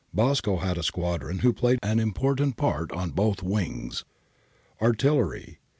Bosco had a squadron, who played an important part on both wings. Artillery.